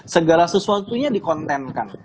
segala sesuatunya di contentkan